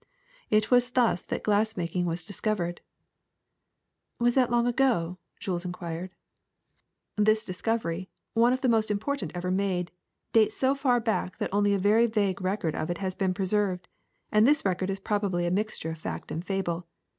It was thus that glass mak ing was discovered." Was that long ago?" Jules inquired. 148 GLASS 149 ^'This discovery, one of the most important ever made, dates so far back that only a very vague record of it has been preserved, and this record is probably a mixture of fact and fable.